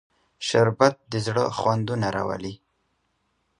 شربت د زړه خوندونه راولي